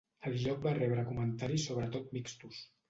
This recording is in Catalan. El joc va rebre comentaris sobretot mixtos.